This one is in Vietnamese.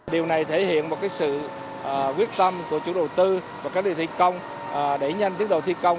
điều này thể hiện một sự quyết tâm của chủ đầu tư và các địa thi công để nhanh tiến đầu thi công